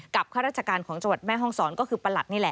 ข้าราชการของจังหวัดแม่ห้องศรก็คือประหลัดนี่แหละ